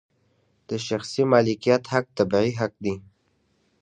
د شخصي مالکیت حق طبیعي حق دی.